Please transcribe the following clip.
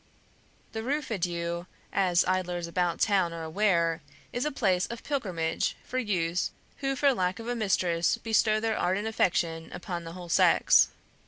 The Rue Feydeau, as idlers about town are aware, is a place of pilgrimage for youths who for lack of a mistress bestow their ardent affection upon the whole sex.